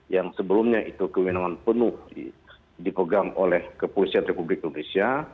yang sebelumnya itu kewenangan penuh dipegang oleh kepolisian republik indonesia